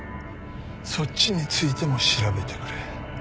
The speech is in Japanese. そっちについても調べてくれ。